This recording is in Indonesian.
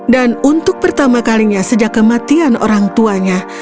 dan untuk pertama kalinya sejak kematian orang tuanya